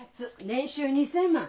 年収２，０００万。